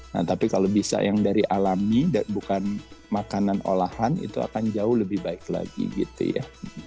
nah tapi kalau bisa yang dari alami bukan makanan olahan itu akan jauh lebih baik lagi gitu ya